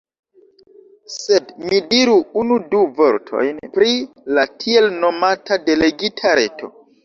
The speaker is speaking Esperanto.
Sed mi diru unu-du vortojn pri la tiel-nomata "Delegita Reto".